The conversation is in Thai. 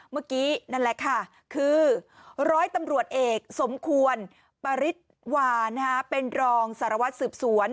เมื่อกี้นั่นแหละค่ะคือร้อยตำรวจเอกสมควรปริศวาเป็นรองสารวัตรสืบสวน